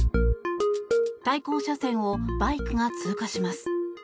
対向車線をバイクが通過します。